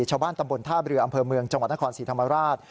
ชาวบ้านตำบลท่าเรืออำเภอเมืองจังหวัดนครศรีธรรมราช